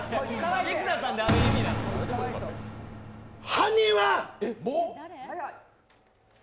犯人は！